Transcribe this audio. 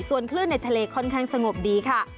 ส่วนคลื่นในทะเลค่อนข้างสงบดีค่ะ